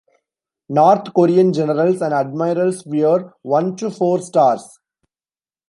North Korean generals and admirals wear one to four stars.